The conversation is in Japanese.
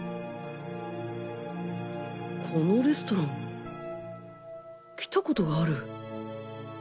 このレストラン来た事がある。